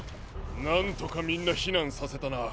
なんとかみんなひなんさせたな。